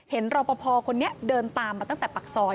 รอปภคนนี้เดินตามมาตั้งแต่ปากซอย